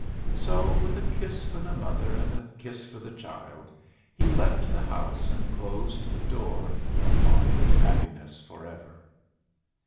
So, with a kiss for the mother and a kiss for the child, he left the house and closed the door upon his happiness forever.